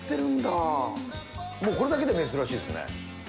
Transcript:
もうこれだけで珍しいですね。